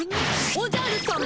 おじゃるさま！